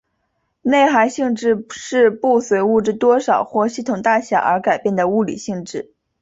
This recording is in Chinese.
内含性质是不随物质多少或系统大小而改变的物理性质。